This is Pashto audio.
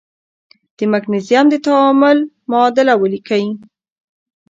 د مګنیزیم د تعامل معادله ولیکئ.